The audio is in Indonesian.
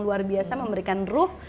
luar biasa memberikan ruh